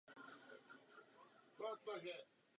Výrazně poškozena byla při bojích v závěru druhé světové války.